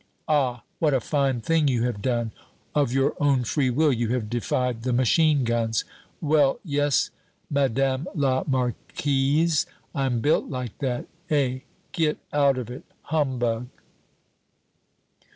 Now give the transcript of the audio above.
'Ah, what a fine thing you have done; of your own free will you have defied the machine guns! ' 'Well, yes, madame la marquise, I'm built like that!' Eh, get out of it, humbug!"